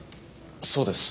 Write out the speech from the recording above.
そうです。